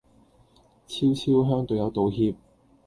俏俏向隊友道歉